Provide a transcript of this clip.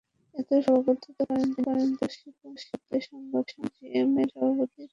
এতে সভাপতিত্ব করেন তৈরি পোশাকশিল্প মালিকদের সংগঠন বিজিএমইএর সভাপতি আতিকুল ইসলাম।